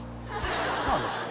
そうなんですね。